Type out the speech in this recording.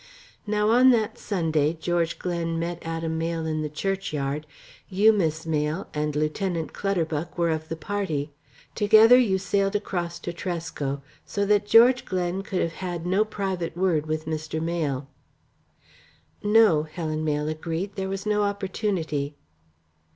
"Now on that Sunday George Glen met Adam Mayle in the churchyard, you, Miss Mayle, and Lieutenant Clutterbuck were of the party. Together you sailed across to Tresco. So that George Glen could have had no private word with Mr. Mayle." "No," Helen Mayle agreed. "There was no opportunity."